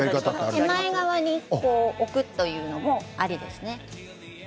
手前側に置くのもありですね。